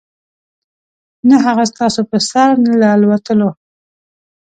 نه هغه ستاسو په سر له الوتلو .